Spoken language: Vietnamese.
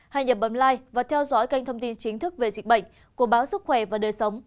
hãy nhập bấm like và theo dõi kênh thông tin chính thức về dịch bệnh của báo sức khỏe và đời sống